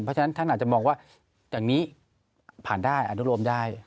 เพราะฉะนั้นท่านอาจจะมองว่าอย่างนี้ผ่านได้อนุโลมได้